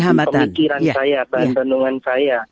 pemikiran saya pertenungan saya